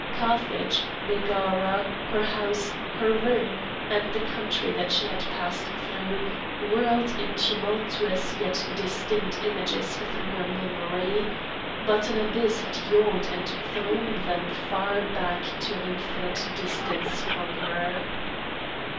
Carthage, Megara, her house, her room, and the country that she had passed through, whirled in tumultuous yet distinct images through her memory. But an abyss had yawned and thrown them far back to an infinite distance from her.